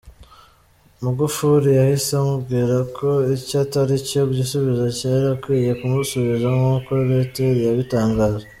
Magufuli yahise amubwira ko icyo atari cyo gisubizo yari akwiye kumusubiza nkuko Reuters yabitangaje.